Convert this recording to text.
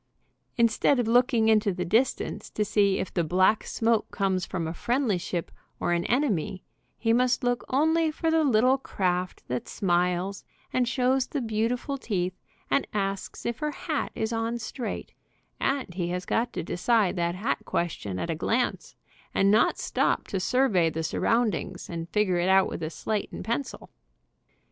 Instead of looking into the distance to see if the black smoke comes from a friendly ship or an enemy, he must look only for the little craft that smiles, and shows the beautiful teeth, and asks if her hat is on straight, and he has got to decide that hat question at a glance, and not stop to survey the surroundings, and ^figure it out with a slate and pencil.